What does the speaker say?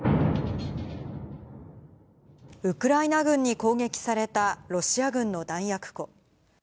ウクライナ軍に攻撃されたロシア軍の弾薬庫。